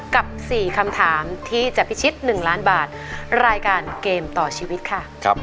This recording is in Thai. กับ๔คำถามที่จะพิชิต๑ล้านบาทรายการเกมต่อชีวิตค่ะ